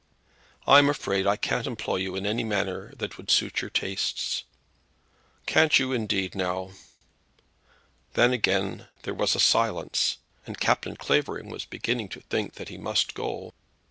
"I'm afraid I can't employ you in any matter that would suit your tastes." "Can't you indeed, now?" Then again there was a silence, and Captain Clavering was beginning to think that he must go.